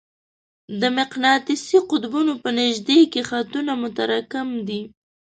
د مقناطیسي قطبونو په نژدې کې خطونه متراکم دي.